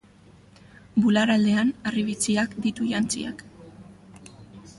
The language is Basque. Bular aldean harribitxiak ditu jantziak.